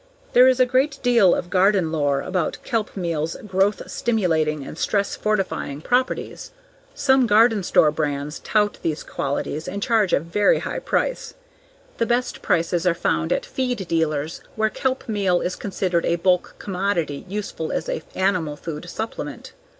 There is a great deal of garden lore about kelp meal's growth stimulating and stress fortifying properties. Some garden store brands tout these qualities and charge a very high price. The best prices are found at feed dealers where kelp meal is considered a bulk commodity useful as an animal food supplement.